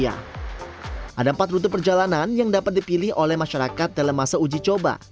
ada empat rute perjalanan yang dapat dipilih oleh masyarakat dalam masa uji coba